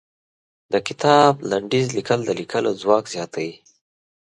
د کتاب لنډيز ليکل د ليکلو ځواک زياتوي.